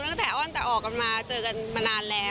ตั้งแต่อ้อนแต่ออกกันมาเจอกันมานานแล้ว